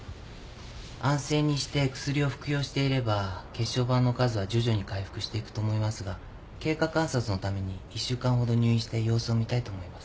安静にして薬を服用していれば血小板の数は徐々に回復していくと思いますが経過観察のために一週間ほど入院して様子を見たいと思います。